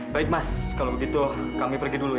baik mas kalau begitu kami pergi dulu ya